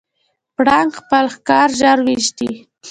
پړانګ خپل ښکار ژر وژني.